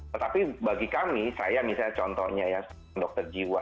tetapi bagi kami saya misalnya contohnya ya dokter jiwa